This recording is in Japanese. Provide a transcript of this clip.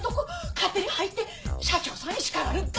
勝手に入って社長さんに叱らるっが！